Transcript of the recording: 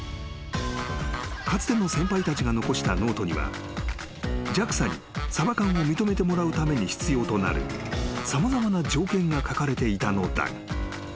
［かつての先輩たちが残したノートにはＪＡＸＡにサバ缶を認めてもらうために必要となる様々な条件が書かれていたのだが］